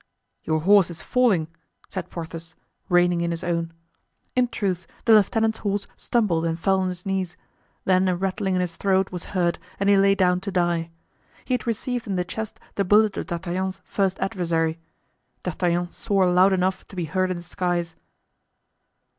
"Your horse is falling," said Porthos, reining in his own. In truth, the lieutenant's horse stumbled and fell on his knees; then a rattling in his throat was heard and he lay down to die. He had received in the chest the bullet of D'Artagnan's first adversary. D'Artagnan swore loud enough to be heard in the skies.